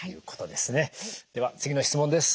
では次の質問です。